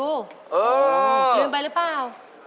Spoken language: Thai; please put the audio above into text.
ลืมไปหรือเปล่า